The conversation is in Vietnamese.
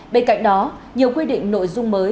bên cạnh đó nhiều quy định nội dung mới